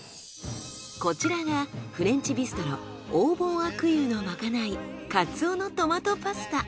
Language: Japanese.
こちらがフレンチビストロおーぼんあくいゆのまかないカツオのトマトパスタ。